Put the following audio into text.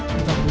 và đồng thời